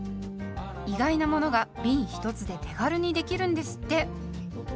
意外なものがびん１つで手軽にできるんですって。